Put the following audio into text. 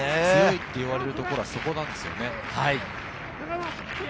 強いといわれるところはそこなんですよね。